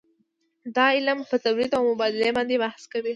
دا علم په تولید او مبادلې باندې بحث کوي.